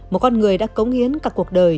một con người đã cống hiến cả cuộc đời